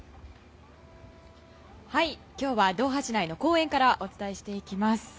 今日はドーハ市内の公園からお伝えしていきます。